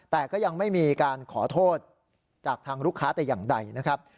แต่ก็ยังไม่มีการขอโทษจากทางลูกค้าแต่อย่างใดนะครับ